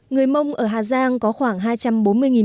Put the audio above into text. người mông ở hà giang có khoảng hai trăm bốn mươi năm dân tộc